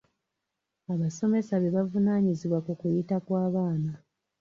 Abasomesa be bavunaanyizibwa ku kuyita kw'abaana.